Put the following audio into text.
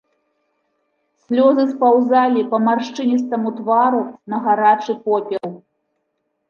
Слёзы спаўзалі па маршчыністаму твару на гарачы попел.